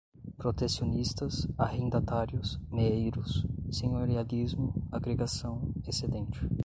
protecionistas, arrendatários, meeiros, senhorialismo, agregação, excedente